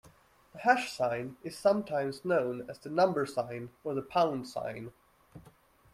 The hash sign is sometimes known as the number sign or the pound sign